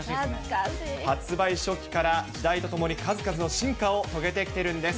発売初期から時代とともに数々の進化を遂げてきてるんです。